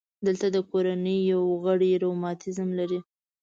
دلته د کورنۍ یو غړی رماتیزم لري.